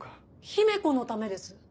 姫子のためです。